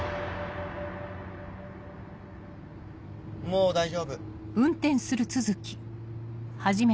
もう大丈夫。